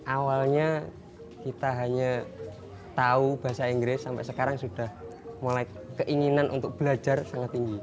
awalnya kita hanya tahu bahasa inggris sampai sekarang sudah mulai keinginan untuk belajar sangat tinggi